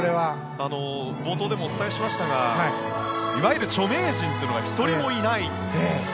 冒頭でもお伝えしましたがいわゆる著名人というのが１人もいない。